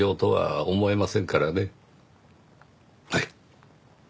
はい。